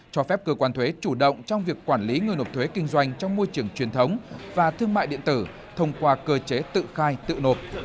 cho phép cơ quan thuế chủ động trong việc quản lý người nộp thuế kinh doanh trong môi trường truyền thống và thương mại điện tử thông qua cơ chế tự khai tự nộp